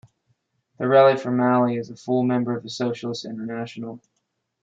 The Rally for Mali is a full member of the Socialist International.